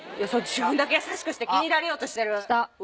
自分だけ優しくして気に入られようとしてる。